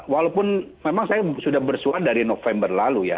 walaupun memang saya sudah bersuat dari november lalu ya